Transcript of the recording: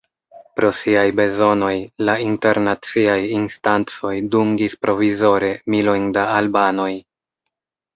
Pro siaj bezonoj, la internaciaj instancoj dungis provizore milojn da albanoj.